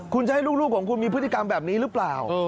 คุณจะให้ลูกของคุณมีพฤติกรรมแบบนี้หรือเปล่า